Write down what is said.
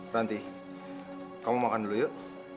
nanti kamu makan dulu yuk